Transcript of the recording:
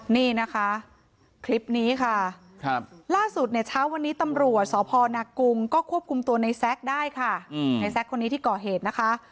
นี่นะคะคลิปนี้ค่ะล่าสุดเนี่ยเช้าวันนี้ตำรวจสพนกรุงก็ควบคุมตัวในแซคได้ค่ะในแซ็กคนนี้ที่ก่อเหตุนะคะ